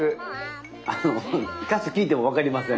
あの歌詞聴いても分かりません。